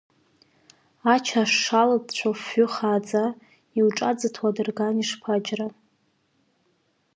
Ача ашша алҵәҵәо афҩы хааӡа, иуҿаӡыҭуа адырган ишԥаџьра!